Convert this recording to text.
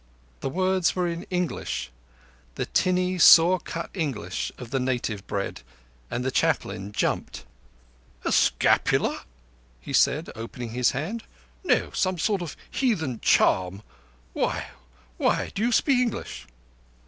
The words were in English—the tinny, saw cut English of the native bred, and the Chaplain jumped. "A scapular," said he, opening his hand. "No, some sort of heathen charm. Why—why, do you speak English?